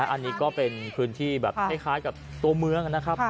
อันนี้ก็เป็นพื้นที่แบบคล้ายกับตัวเมืองนะครับ